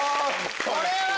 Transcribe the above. これは。